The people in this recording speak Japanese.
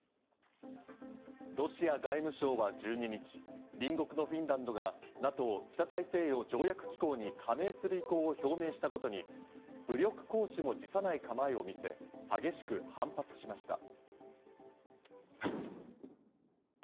ロシア外務省は１２日、隣国のフィンランドがＮＡＴＯ＝北大西洋条約機構に加盟する意向を表明したことに武力行使も辞さない構えを見せ、激しく反発しました。